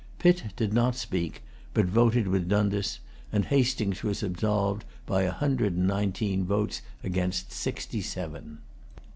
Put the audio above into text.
Pitt did not speak, but voted with Dundas; and Hastings was absolved by a hundred and nineteen votes against sixty seven.